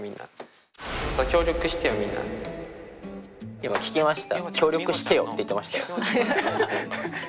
今聞きました？